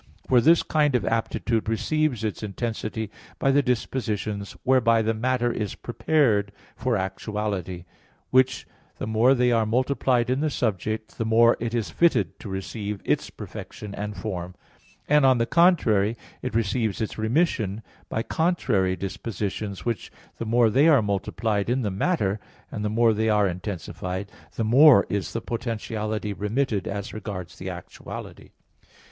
For this kind of aptitude receives its intensity by the dispositions whereby the matter is prepared for actuality; which the more they are multiplied in the subject the more is it fitted to receive its perfection and form; and, on the contrary, it receives its remission by contrary dispositions which, the more they are multiplied in the matter, and the more they are intensified, the more is the potentiality remitted as regards the actuality.